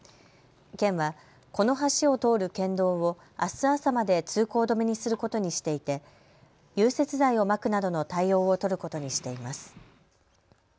県はこの橋を通る県道をあす朝まで通行止めにすることにしていて融雪剤をまくなどの対応を取ることにしています。